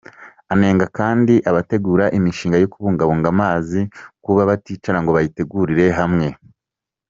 Anenga kandi abategura imishinga yo kubungabunga amazi kuba baticara ngo bayitegurire hamwe.